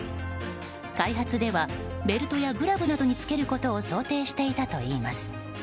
開発では、ベルトやグラブなどにつけることを想定していたといいます。